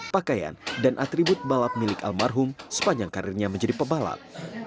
pakaian dan atribut balap milik almarhum sepanjang karirnya menjadi pebalap